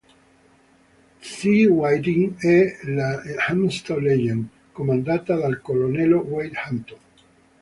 C. Whiting e la "Hampton's Legion", comandata dal colonnello Wade Hampton.